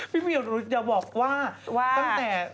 พี่เหมียวอย่าบอกว่าว่า